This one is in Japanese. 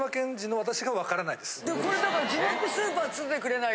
これだから。